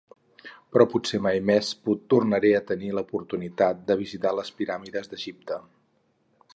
Però potser mai més tornaré a tenir l'oportunitat de visitar les piràmides d'Egipte.